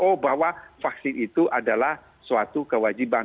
oh bahwa vaksin itu adalah suatu kewajiban